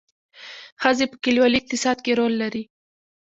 ښځې په کلیوالي اقتصاد کې رول لري